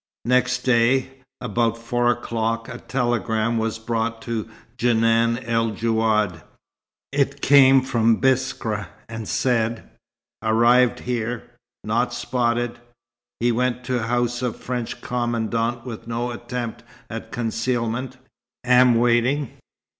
Next day, about four o'clock, a telegram was brought to Djenan el Djouad. It came from Biskra, and said: "Arrived here. Not spotted. He went house of French commandant with no attempt at concealment. Am waiting.